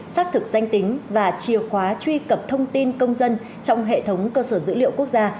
xác thực danh tính và chìa khóa truy cập thông tin công dân trong hệ thống cơ sở dữ liệu quốc gia